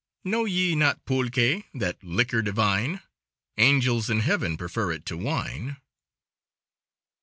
Know ye not pulque That liquor divine? Angels in heaven Prefer it to wine.